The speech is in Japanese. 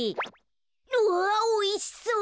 うわおいしそう！